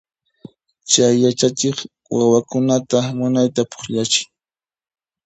Chay yachachiq wawakunata munayta pukllachin.